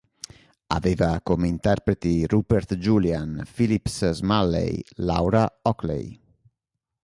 Aveva come interpreti Rupert Julian, Phillips Smalley, Laura Oakley.